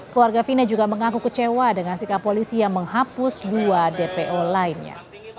keluarga fina juga mengaku kecewa dengan sikap polisi yang menghapus dua dpo lainnya